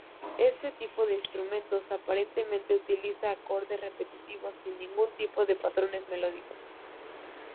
Este tipo de instrumentos, aparentemente utilizada acordes repetitivos sin ningún tipo de patrones melódicos.